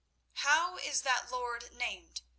"How is that lord named?"